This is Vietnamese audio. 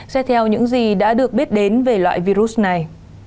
xét theo những gì đã được biết đến về loại virus này